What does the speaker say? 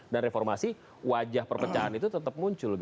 dan reformasi wajah perpecahan itu tetap muncul